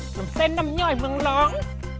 ขนมเส้นน้ำย่อยมึงร้อง